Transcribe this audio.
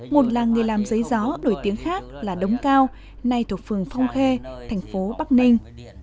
một làng nghề làm giấy gió nổi tiếng khác là đống cao nay thuộc phường phong khê thành phố bắc ninh